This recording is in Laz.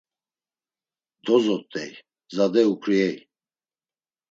Dozot̆ey, zade uǩriey.